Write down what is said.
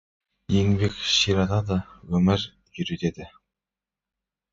Еңбек ширатады, өмір үйретеді.